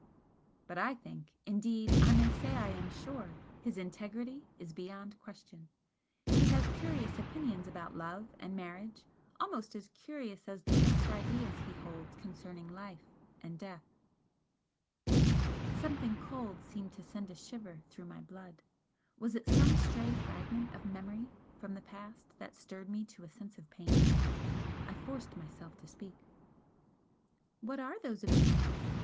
But I think indeed I may say I am sure his integrity is beyond question. He has curious opinions about love and marriage almost as curious as the fixed ideas he holds concerning life and death." Something cold seemed to send a shiver through my blood was it some stray fragment of memory from the past that stirred me to a sense of pain? I forced myself to speak. "What are those opinions?"